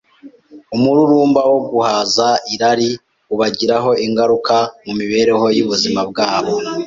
Umururumba wo guhaza irari ubagiraho ingaruka mu mibereho y’ubuzima bwabo